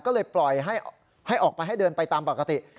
ก็เลยปล่อยให้ออกไปให้เดินไปตามปกติ